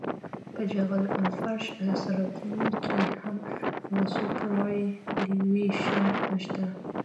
په جغل فرش سرکونو کې هم سوپرایلیویشن شته